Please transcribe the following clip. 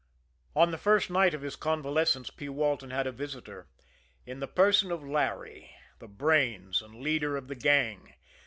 On the first night of his convalescence, P. Walton had a visitor in the person of Larry, the brains and leader of the gang.